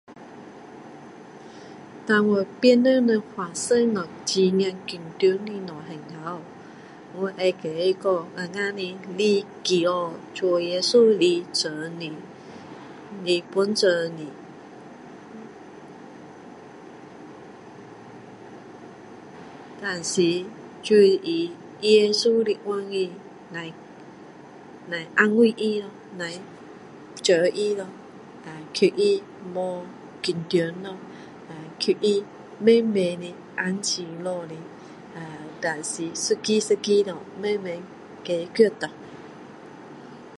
如果别人发生非常紧张的东西的时候我会跟他讲我们来祈祷主耶稣来助你来帮助你但是就是耶稣的话语来来安慰他咯来助他咯使他不会紧张咯使他慢慢的安静下来呃但是一个一个东西慢慢解决啦